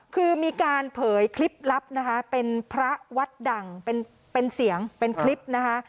คือมีการเผยคลิปลับนะคะเป็นพระวัดดังเป็นเสียงเป็นคลิปนะคะ